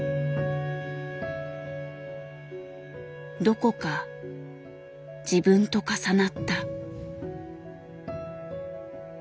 どこか自分と重なった。